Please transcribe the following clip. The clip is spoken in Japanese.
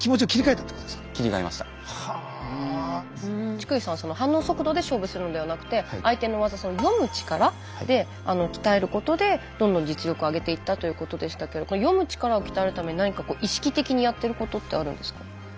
チクリンさんは反応速度で勝負するんではなくて相手の技その読む力で鍛えることでどんどん実力を上げていったということでしたけど読む力を鍛えるために何か意識的にやってることってあるんですか？